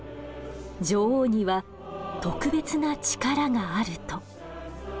女王には特別なチカラがあると。